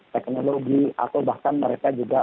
teknologi atau bahkan mereka juga